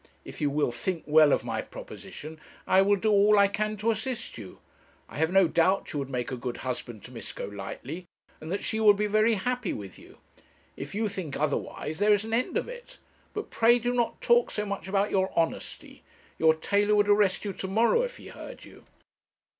If you will think well of my proposition, I will do all I can to assist you. I have no doubt you would make a good husband to Miss Golightly, and that she would be very happy with you. If you think otherwise there is an end of it; but pray do not talk so much about your honesty your tailor would arrest you to morrow if he heard you.'